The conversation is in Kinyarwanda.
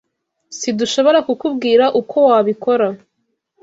Sidushobora kukubwira uko wabikora.